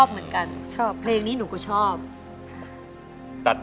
ไปยักษ์นานอย่างเดียวไปยักษ์นานอย่างเดียว